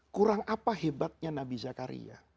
kurang apa hebatnya nabi zakaria